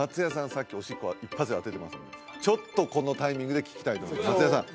さっきおしっこは一発で当ててますんでちょっとこのタイミングで聞きたいと思います松也さん